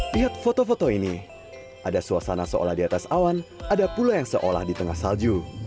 lihat foto foto ini ada suasana seolah di atas awan ada pula yang seolah di tengah salju